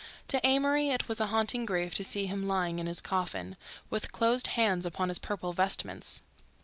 To Amory it was a haunting grief to see him lying in his coffin, with closed hands upon his purple vestments.